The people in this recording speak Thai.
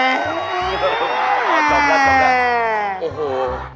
จบแล้ว